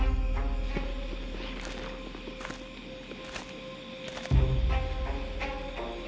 อาลูเฮีย